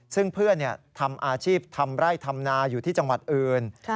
ซึ่งเพื่อนทำอาชีพทำไร่ทำนาอยู่ที่จังหวัดอื่น